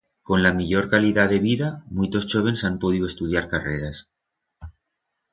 Con la millor calidat de vida, muitos chóvens han podiu estudiar carreras.